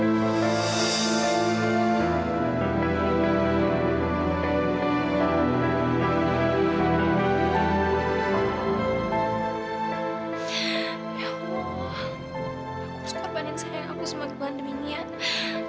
ya allah aku berkorbanin sayang aku sebagai pandeminian